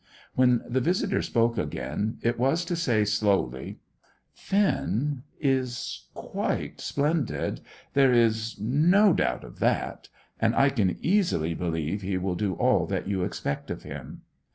When the visitor spoke again, it was to say, slowly "Finn is quite splendid, there is not a doubt of that, and I can easily believe he will do all that you expect of him.